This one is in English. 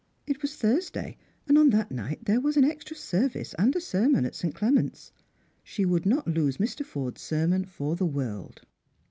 It was Thursday, and on that night there was an extra service and a sermon at St. Clement's. She would not lose Mr. Forde's sermon for the world.